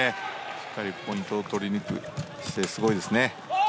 しっかりポイントを取りにいく姿勢がすごいですね。